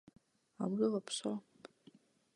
아무도 없어.